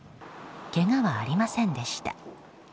けがはありませんでした。